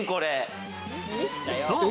そう。